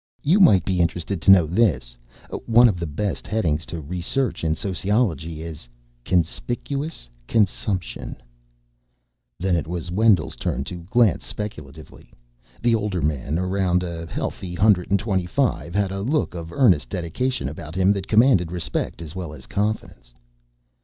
You might be interested to know this one of the best headings to research in sociology is Conspicuous consumption." Then it was Wendell's turn to glance speculatively. The older man, around a healthy hundred and twenty five, had a look of earnest dedication about him that commanded respect as well as confidence.